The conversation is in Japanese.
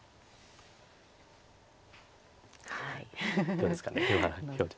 どうですか今。